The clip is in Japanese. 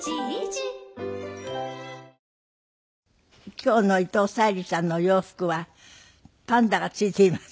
今日の伊藤沙莉さんのお洋服はパンダがついています。